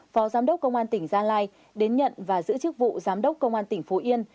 phó giám đốc công an tỉnh gia lai đến nhận và giữ chức vụ giám đốc công an tỉnh phú yên